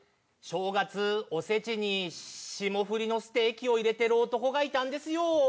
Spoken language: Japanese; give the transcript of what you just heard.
正月おせちに霜降りのステーキを入れてる男がいたんですよ。